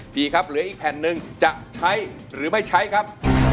ปีครับอีกแผ่นนึงจะใช้หรือไม่ใช้ครับ